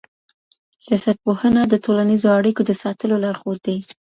سياستپوهنه د ټولنيزو اړيکو د ساتلو لارښود دی.